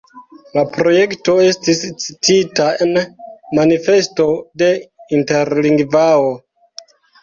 La projekto estis citita en Manifesto de Interlingvao.